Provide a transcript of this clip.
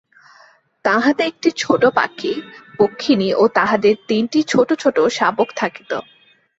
তাহাতে একটি ছোট পাখী, পক্ষিণী ও তাহাদের তিনটি ছোট ছোট শাবক থাকিত।